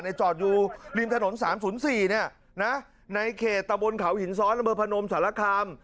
จอดอยู่ริมถนน๓๐๔เนี่ยนะในเขตตะบนเขาหินซ้อนอำเภอพนมสารคาม